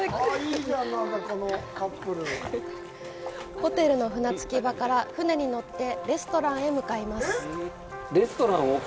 ホテルの船着き場から船に乗ってレストランへ向かいます。